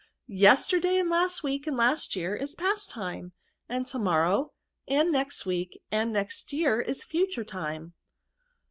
Yesterday, and last week, and last year, is past time ; and to morrow, and next week> and next year, is future time."